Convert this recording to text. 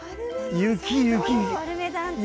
雪、雪。